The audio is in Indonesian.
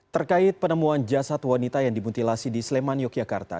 terkait penemuan jasad wanita yang dimutilasi di sleman yogyakarta